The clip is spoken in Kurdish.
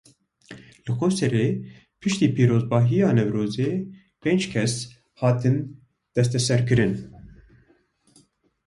Li Qoserê piştî pîrozbahiya Newrozê pênc kes hatin desteserkirin.